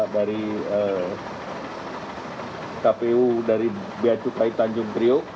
dari kpu dari beacukai tanjung priok